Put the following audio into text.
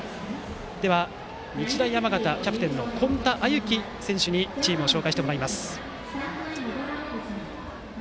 では、日大山形キャプテンの今田歩希選手にチームを紹介してもらいます。